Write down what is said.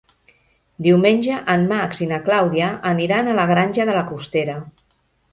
Diumenge en Max i na Clàudia aniran a la Granja de la Costera.